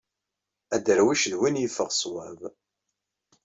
Aderwic d win yeffeɣ swab.